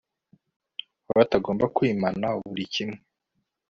batagomba kwimana buri kimwe